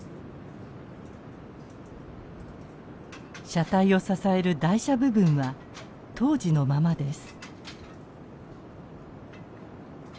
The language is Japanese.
車体を支える台車部分は当時のままです。